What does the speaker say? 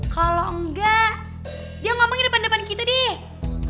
kalo enggak dia ngomongin depan depan kita deh